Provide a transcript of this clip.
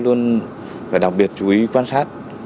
luôn phải đặc biệt chú ý quan sát